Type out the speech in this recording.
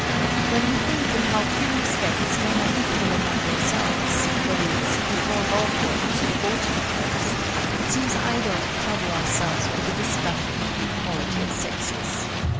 When we think in how few respects men are equal among themselves, e.g., before law courts or voting polls, it seems idle to trouble ourselves with a discussion on the equality of sexes.